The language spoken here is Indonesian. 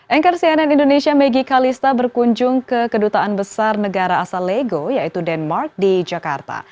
anchor cnn indonesia maggie kalista berkunjung ke kedutaan besar negara asal lego yaitu denmark di jakarta